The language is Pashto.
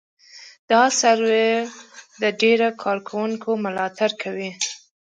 دا سرور د ډېرو کاروونکو ملاتړ کوي.